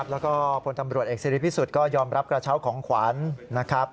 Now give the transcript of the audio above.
แล้วก็พลตำรวจเอกสิริพิสุทธิ์ก็ยอมรับกระเช้าของขวัญนะครับ